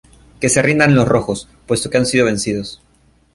Que se rindan los rojos, puesto que han sido vencidos.